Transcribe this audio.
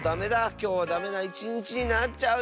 きょうはダメないちにちになっちゃうよ。